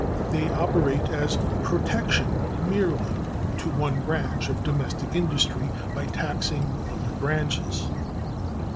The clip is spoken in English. They operate as "protection merely" to one branch of "domestic industry" by taxing other branches.